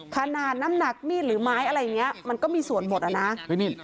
ขนาดน้ำหนักมีดหรือไม้อะไรอย่างนี้มันก็มีส่วนหมดอ่ะนะ